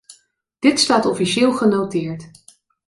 Dit staat officieel genoteerd.